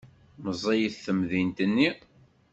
Meẓẓiyet temdint-nni.